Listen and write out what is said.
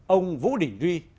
ông vũ đỉnh duy